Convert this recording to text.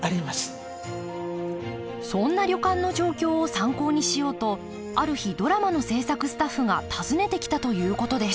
そんな旅館の状況を参考にしようとある日ドラマの制作スタッフが訪ねてきたということです